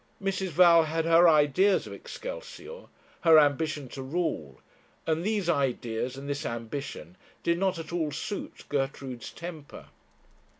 Mrs. Val had her ideas of 'Excelsior,' her ambition to rule, and these ideas and this ambition did not at all suit Gertrude's temper.